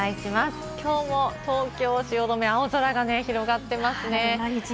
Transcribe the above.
きょうも東京・汐留、青空が広がってますね。